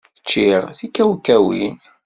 Ččiɣ tikawkawin.